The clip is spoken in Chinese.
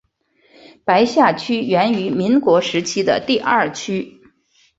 白下区源于民国时期的第二区。